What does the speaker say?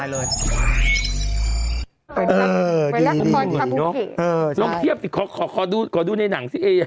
ล้มเทียบสิขอดูในหนังสิ